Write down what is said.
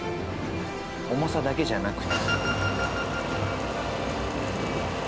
重さだけじゃなくて。